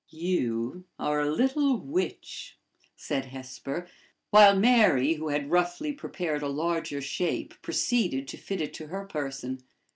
"You are a little witch!" said Hesper; while Mary, who had roughly prepared a larger shape, proceeded to fit it to her person.